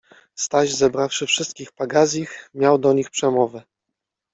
Staś, zebrawszy wszystkich pagazich, miał do nich przemowę.